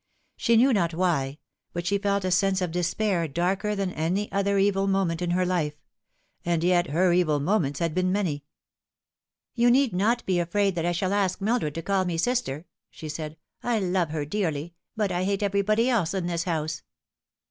She knew not why, but she felt a sense of despair darker than any other evil moment in her life ; and yet her evil moments had been many. " You need not be afraid that I shall ask Mildred to call me sister," she said. " I love her dearly, but I hate everybody else ia this house."